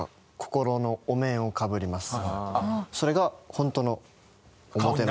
それがホントの表の。